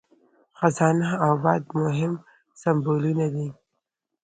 خزانه او باد مهم سمبولونه دي.